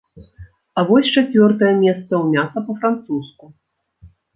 А вось чацвёртае месца ў мяса па-французску.